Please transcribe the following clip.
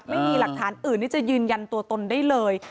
ไม่มีหลักฐานอื่นที่จะยืนยันตัวตนได้เลย